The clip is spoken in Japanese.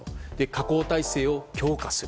加工体制を強化する。